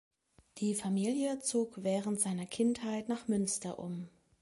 Die Familie zog während seiner Kindheit nach Münster um.